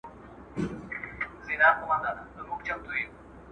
که هغه زما بلنه ومني، زه به ورته تود هرکلی وکړم.